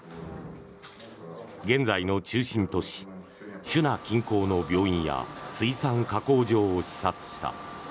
現在の中心都市紗那近郊の病院や水産加工場を視察した。